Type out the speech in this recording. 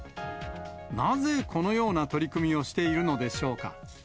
なぜこのような取り組みをしているのでしょうか。